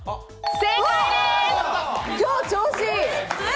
正解です。